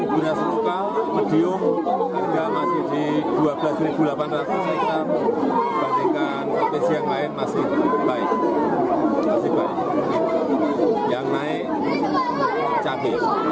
beras lokal medium harga masih di rp dua belas delapan ratus